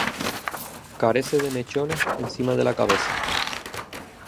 Carece de mechones encima de la cabeza.